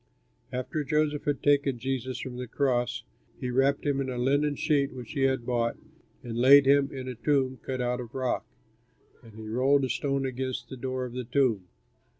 After Joseph had taken Jesus from the cross, he wrapped him in a linen sheet which he had bought, and laid him in a tomb cut out of rock; and he rolled a stone against the door of the tomb.